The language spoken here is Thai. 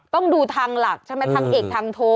ต้องดูทางหลักใช่ไหมทางเอกทางโท